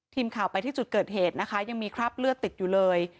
ทีมข่าวไปที่จุดเกิดเหตุนะคะยังมีคราบเลือดติดอยู่เลย